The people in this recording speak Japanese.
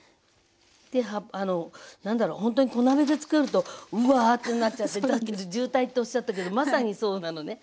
で何だろうほんとに小鍋でつくるとうわってなっちゃってさっき渋滞っておっしゃったけどまさにそうなのね。